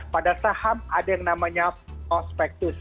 pada saham ada yang namanya prospectus